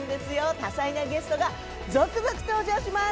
多彩なゲストが続々登場します。